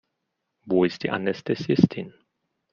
Wo ist die Anästhesistin?